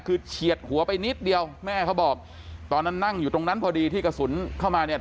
คือเฉียดหัวไปนิดเดียวแม่เขาบอกตอนนั้นนั่งอยู่ตรงนั้นพอดีที่กระสุนเข้ามาเนี่ย